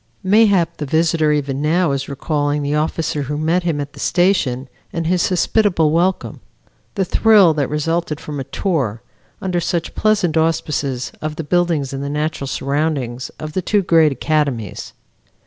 Mayhap the visitor even now is recalling the officer who met him at the station, and his hospitable welcome; the thrill that resulted from a tour, under such pleasant auspices, of the buildings and the natural surroundings of the two great academies.